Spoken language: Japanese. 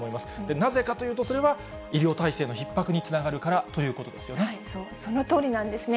なぜかというと、それは医療体制のひっ迫につながるからということなんですよね。